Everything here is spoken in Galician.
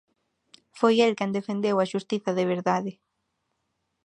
Foi el quen defendeu a xustiza de verdade.